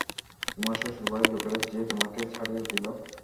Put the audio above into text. তোমার শ্বশুরবাড়ির লোকেরা যে তোমাকে ছাড়িয়া দিল!